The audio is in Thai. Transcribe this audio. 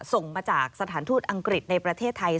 ส่งมาจากสถานทูตอังกฤษในประเทศไทย